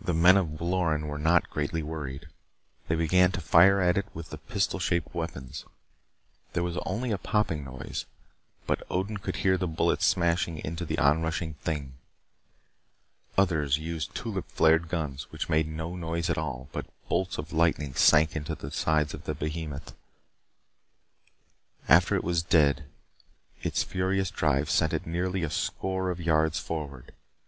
The men of Loren were not greatly worried. They began to fire at it with the pistol shaped weapons. There was only a popping noise, but Odin could hear the bullets smashing into the onrushing thing. Others used the tulip flared guns, which made no noise at all, but bolts of lightning sank into the sides of the behemoth. After it was dead its furious drive sent it nearly a score of yards forward.